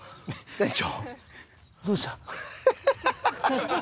店長。